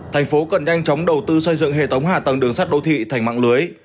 thành phố cần nhanh chóng đầu tư xây dựng hệ thống hạ tầng đường sắt đô thị thành mạng lưới